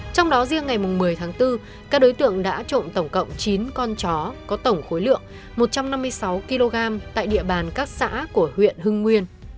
trong đó riêng ngày một mươi tháng bốn các đối tượng đã trộm tổng cộng chín con chó có tổng khối lượng một trăm năm mươi sáu kg tại địa bàn các xã của huyện hưng nguyên